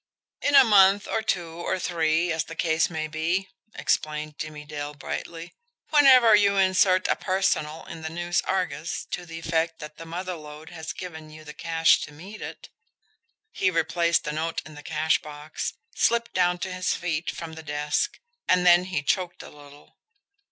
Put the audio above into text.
"In a month or two or three, as the case may be," explained Jimmie Dale brightly. "Whenever you insert a personal in the NEWS ARGUS to the effect that the mother lode has given you the cash to meet it." He replaced the note in the cash box, slipped down to his feet from the desk and then he choked a little.